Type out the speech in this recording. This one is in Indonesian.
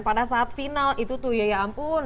pada saat final itu tuh ya ya ampun